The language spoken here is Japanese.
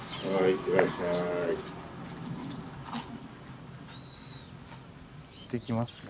行ってきますね。